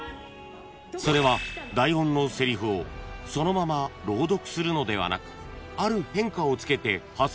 ［それは台本のせりふをそのまま朗読するのではなく］